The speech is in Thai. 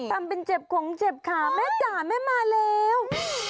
ทำเป็นเจ็บของเจ็บขาแม่จ๋าแม่มาแล้ว